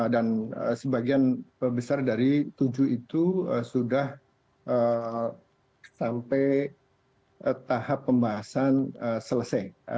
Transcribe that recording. dan sebagian besar dari tujuh itu sudah sampai tahap pembahasan selesai